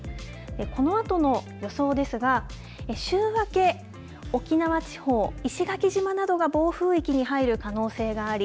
このあとの予想ですが週明け、沖縄地方石垣島などが暴風域に入る可能性があり